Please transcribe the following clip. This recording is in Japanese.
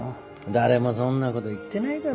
誰もそんなこと言ってないだろ。